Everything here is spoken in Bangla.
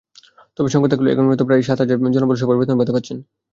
তবে সংকট থাকলেও এখন পর্যন্ত প্রায় সাত হাজার জনবলের সবাই বেতন-ভাতা পাচ্ছেন।